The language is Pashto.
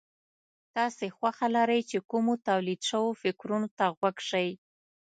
تاسې خوښه لرئ چې کومو توليد شوو فکرونو ته غوږ شئ.